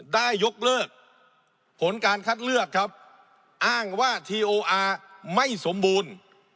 ได้ยกเลิกผลการคัดเลือกครับอ้างว่าทีโออาร์ไม่สมบูรณ์